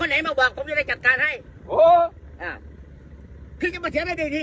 ไหนมาบอกผมจะได้จัดการให้โอ้อ่าคือจะมาเขียนให้ดีดี